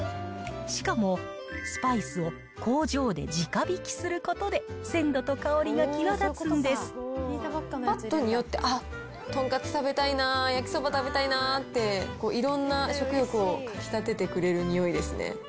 しかも、スパイスを工場で自家びきすることで、ぱっと匂って、あっ、とんかつ食べたいな、焼きそば食べたいなって、いろんな食欲をかき立ててくれる匂いですね。